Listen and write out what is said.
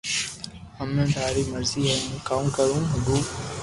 ھمي ٿاري مرزي ھي ھون ڪاو ڪري ھگو